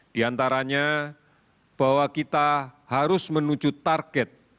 di antaranya bahwa kita harus menuju target